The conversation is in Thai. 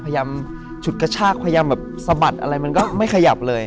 ฉุดกระชากพยายามแบบสะบัดอะไรมันก็ไม่ขยับเลย